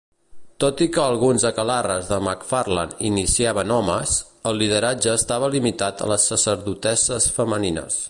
Tot i que alguns aquelarres de McFarland iniciaven homes, el lideratge estava limitat a les sacerdotesses femenines.